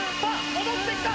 戻ってきた！